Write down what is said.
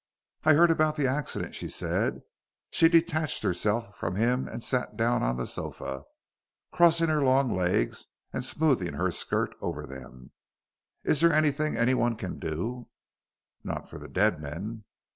"I heard about the accident," she said. She detached herself from him and sat down on the sofa, crossing her long legs and smoothing her skirt over them. "Is there anything anyone can do?" "Not for the dead men."